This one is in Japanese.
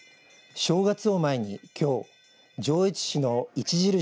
正月を前にきょう上越市の一印